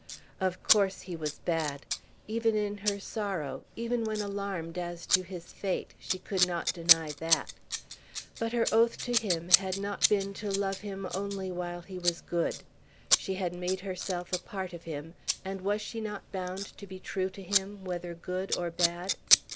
Of course he was bad. Even in her sorrow, even when alarmed as to his fate, she could not deny that. But her oath to him had not been to love him only while he was good. She had made herself a part of him, and was she not bound to be true to him, whether good or bad?